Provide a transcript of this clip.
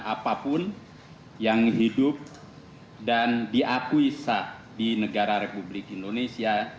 apapun yang hidup dan diakuisah di negara republik indonesia